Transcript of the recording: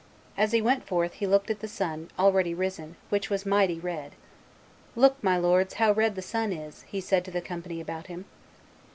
As he went forth he looked at the sun, already risen, which was mighty red. 'Look, my lords, how red the sun is,' said he to the company about him.